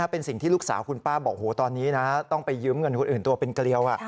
เป็นสิ่งที่ลูกสาวคุณป้าบอกตอนนี้นะต้องไปยืมเงินคนอื่นตัวเป็นเกลียว